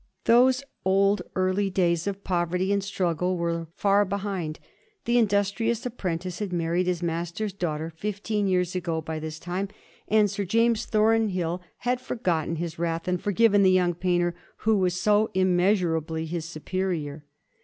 Those old, early days of poverty and struggle were far behind. The industrious apprentice had married his master's daughter, fifteen years ago by this time, and Sir James Thornbill had forgotten his 1746. WILLUM HOGARTH. 231 wrath and forgiven the young painter who was so im measurably his superior.